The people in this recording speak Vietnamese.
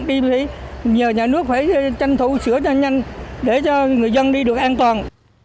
đi thì nhờ nhà nước phải tranh thủ sửa cho nhanh để cho người dân đi được an toàn